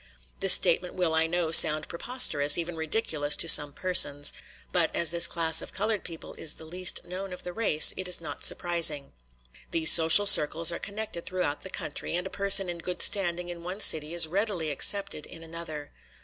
This statement will, I know, sound preposterous, even ridiculous, to some persons; but as this class of colored people is the least known of the race it is not surprising. These social circles are connected throughout the country, and a person in good standing in one city is readily accepted in another.